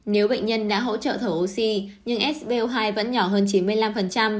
nếu bệnh nhân đã hỗ trợ thở oxy nhưng sbo hai vẫn nhỏ hơn chín mươi năm